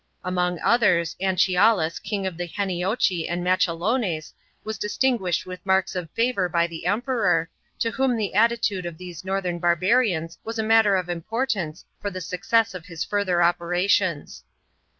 Among others, Anchialus king of the Heniochi and Machelones was dis tinguished with marks of favour by the Emperor, to whom the attitude of these northern barbarians was a matter of imiortance for the success of his further operations.